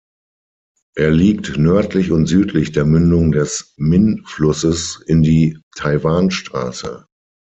Er liegt nördlich und südlich der Mündung des Min-Flusses in die Taiwanstraße.